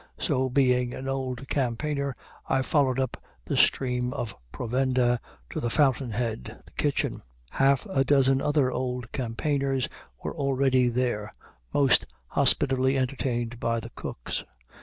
So, being an old campaigner, I followed up the stream of provender to the fountain head, the kitchen. Half a dozen other old campaigners were already there, most hospitably entertained by the cooks.